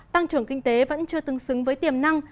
tăng trưởng kinh tế vẫn chưa tương xứng với tiềm năng